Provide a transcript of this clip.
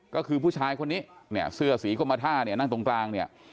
ก็คือผู้ชายคนนี้เนี่ยเสื้อสีกรมท่าเนี่ยนั่งตรงกลางเนี่ย